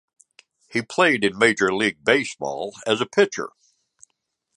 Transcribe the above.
He played in Major League Baseball as a pitcher.